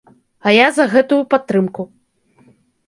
А я за гэтую падтрымку.